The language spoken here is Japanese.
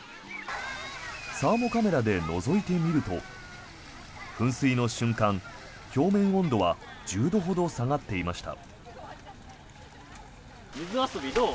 サーモカメラでのぞいてみると噴水の瞬間、表面温度は１０度ほど下がっていました。